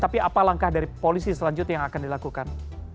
tapi apa langkah dari polisi selanjutnya yang akan dilakukan